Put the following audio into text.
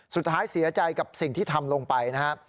สุดท้ายเสียใจกับสิ่งที่ทำลงไปนะครับ